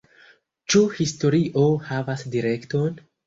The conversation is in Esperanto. Ĉu historio havas direkton?